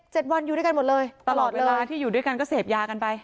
วันอยู่ด้วยกันหมดเลยตลอดเวลาที่อยู่ด้วยกันก็เสพยากันไป